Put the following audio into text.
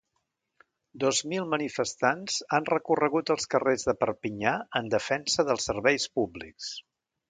Dos mil manifestants han recorregut els carrers de Perpinyà en defensa dels serveis públics.